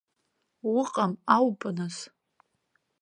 Уҟам ауп нас.